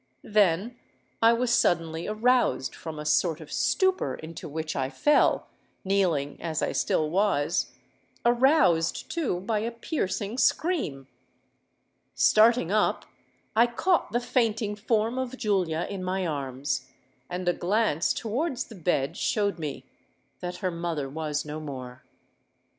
Then I was suddenly aroused from a sort of stupor into which I fell—kneeling as I still was,—aroused, too, by a piercing scream. Starting up, I caught the fainting form of Julia in my arms;—and a glance towards the bed showed me that her mother was no more!